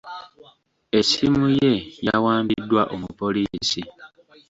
Essimu ye yawambiddwa omupoliisi.